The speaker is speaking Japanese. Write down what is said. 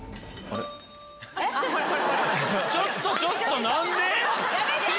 ちょっと⁉ちょっと何で⁉やめて！